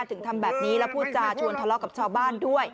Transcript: ถึงทำแบบนี้แล้วพูดจาชวนทะเลาะกับชาวบ้านด้วย